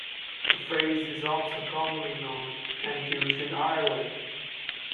The phrase is also commonly known and used in Ireland.